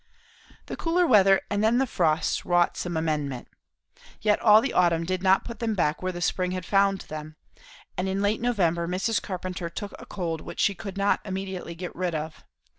The cooler weather and then the frosts wrought some amendment. Yet all the autumn did not put them back where the spring had found them; and late in November Mrs. Carpenter took a cold which she could not immediately get rid of.